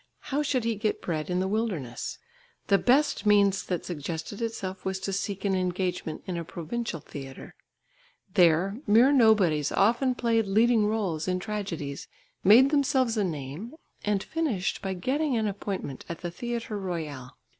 How should he get bread in the wilderness? The best means that suggested itself was to seek an engagement in a provincial theatre. There mere nobodies often played leading roles in tragedies, made themselves a name, and finished by getting an appointment at the Theatre Royal.